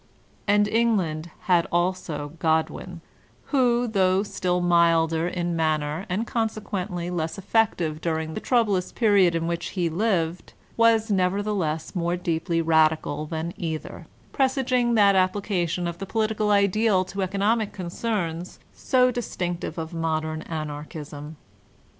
'' And England had also Godwin, who, though still milder in manner and consequently less effective during the troublous period in which he lived, was nevertheless more deeply radical than either, presaging that applica tion of the political ideal to economic concerns so dis tinctive of modem Anarchism.